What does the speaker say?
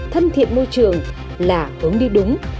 thân thiện môi trường là hướng đi đúng